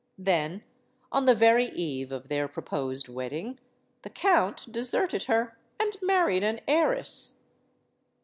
Then, on the very eve of their proposed wedding, the count deserted her and married an heiress.